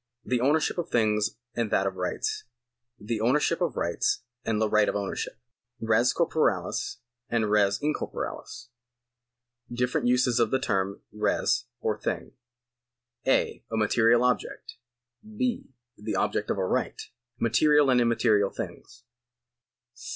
The ownership of things and that of rights. The ownership of rights and the right of ownership. Res corporales and res incorporales. Different uses of the term res or thing. (a) A material object. {h) The object of a right. Material and immaterial things.